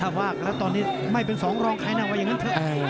ถ้าว่าแล้วตอนนี้ไม่เป็นสองรองขนาดว่ายังงั้นพอ